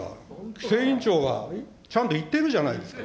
規制委員長がちゃんと言ってるじゃないですか。